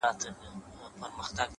دا نجلۍ د دې د هر پرهر گنډونکي ده;